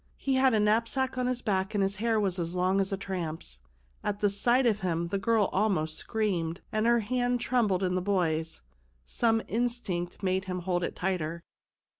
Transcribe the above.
He had a knapsack on his back and his hair was as long as a tramp's. At sight of him the girl almost screamed, and her hand trembled in the boy's ; some instinct made him hold it tighter.